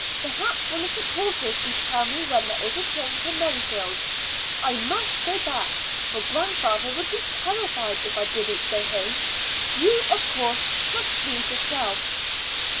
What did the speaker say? Perhaps one of the porters can tell me when there is a train to Merrifield. I must go back, for grandfather would be terrified if I didn't go home. You, of course, must please yourself."